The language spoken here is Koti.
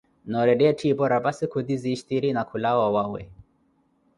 Noorettha etthipo rapasi khutizistiri, na khulawa owawe.